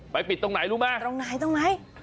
ปิดตรงไหนรู้ไหมตรงไหนตรงไหน